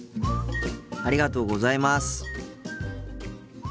ありがとうございます。